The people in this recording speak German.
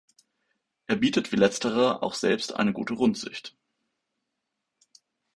Er bietet wie letzterer auch selbst eine gute Rundsicht.